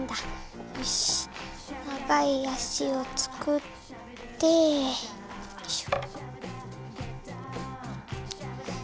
よし長い足をつくってよいしょ。